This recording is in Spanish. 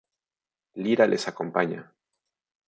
Lyra les acompaña.